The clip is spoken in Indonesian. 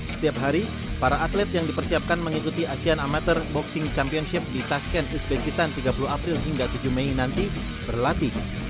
setiap hari para atlet yang dipersiapkan mengikuti asean amatir boxing championship di tashken uzbekitan tiga puluh april hingga tujuh mei nanti berlatih